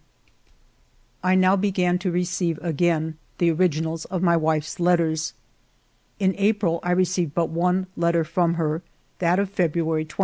I now began to receive again the originals of my wife's letters. In April I received but one letter from her, — that of February 20.